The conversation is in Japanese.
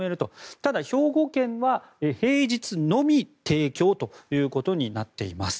ただ、兵庫県は平日のみ提供ということになっています。